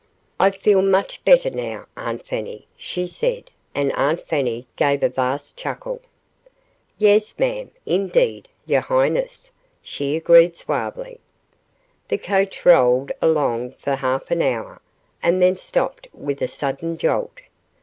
"I feel much better now, Aunt Fanny," she said, and Aunt Fanny gave a vast chuckle. "Yas, ma'am, indeed, yo' highness," she agreed, suavely. The coach rolled along for half an hour, and then stopped with a sudden jolt.